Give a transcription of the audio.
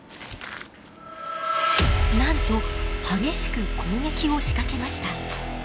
なんと激しく攻撃を仕掛けました。